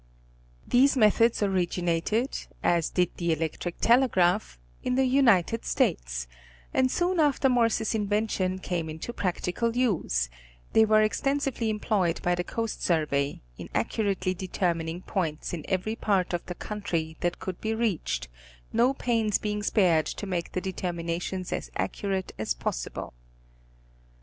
These methods originated, as did the electric telegraph, in the United States, and soon after Morse's invention came into prac tical use, they were extensively employed by the Coast Survey, in accurately determining points in every part of the country that could be reached, no pains being spared to make the determina tions as accurate as possible.